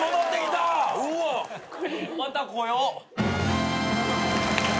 また来よ。